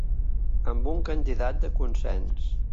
Amb un candidat de consens.